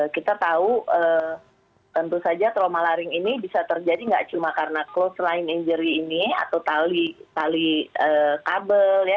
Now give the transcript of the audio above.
kita tahu tentu saja trauma laring ini bisa terjadi nggak cuma karena close line injury ini atau tali tali kabel ya